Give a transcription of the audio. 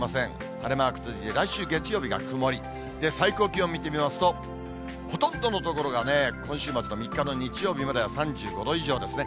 晴れマーク続いて、来週月曜日が曇り、最高気温を見てみますと、ほとんどの所がね、今週末の３日の日曜日までは３５度以上ですね。